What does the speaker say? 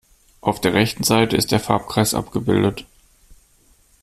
Auf der rechten Seite ist der Farbkreis abgebildet.